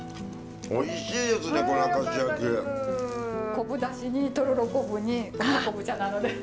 昆布だしにとろろ昆布に梅昆布茶なので。